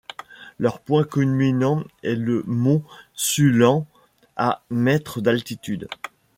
Leur point culminant est le mont Sulen à mètres d'altitude.